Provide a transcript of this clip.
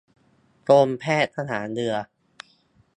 กรมแพทย์ทหารเรือ